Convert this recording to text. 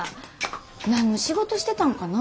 何の仕事してたんかな？